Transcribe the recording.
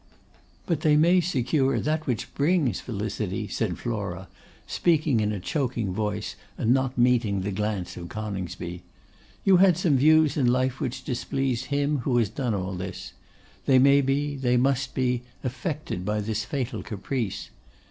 'But they may secure that which brings felicity,' said Flora, speaking in a choking voice, and not meeting the glance of Coningsby. 'You had some views in life which displeased him who has done all this; they may be, they must be, affected by this fatal caprice.